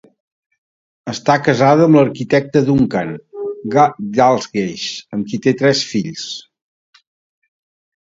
Està casada amb l'arquitecte Duncan Dalgleish, amb qui té tres fills.